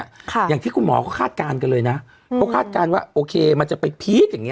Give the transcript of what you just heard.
ค่ะอย่างที่คุณหมอเขาคาดการณ์กันเลยนะเขาคาดการณ์ว่าโอเคมันจะไปพีคอย่างเง